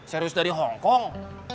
serius dari hongkong